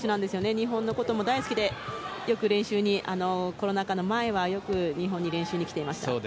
日本のことも大好きでコロナ禍の前はよく日本に練習に来ていました。